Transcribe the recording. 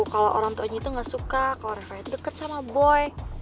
kalo orang tua dia itu gak suka kalo reva itu deket sama boy